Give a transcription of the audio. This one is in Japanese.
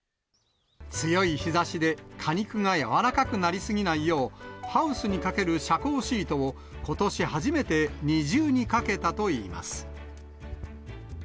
強い日ざしで果肉が柔らかくなり過ぎないよう、ハウスにかける遮光シートを、ことし初めて二重にかけたといいます。